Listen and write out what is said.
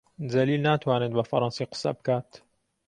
جەلیل ناتوانێت بە فەڕەنسی قسە بکات.